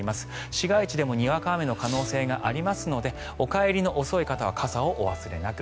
市街地でもにわか雨の可能性がありますのでお帰りの遅い方は傘をお忘れなく。